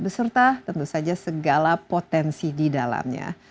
beserta tentu saja segala potensi di dalamnya